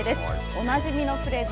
おなじみのフレーズ